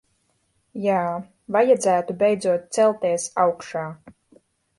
Jā, vajadzētu beidzot celties augšā.